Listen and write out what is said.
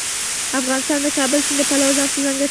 افغانستان د د کابل سیند د پلوه ځانته ځانګړتیا لري.